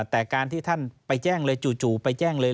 แต่การที่ท่านไปแจ้งเลยจู่ไปแจ้งเลย